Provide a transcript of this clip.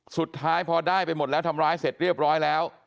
สุดท้ายพอได้ไปหมดแล้วทำร้ายเสร็จเรียบร้อยแล้ว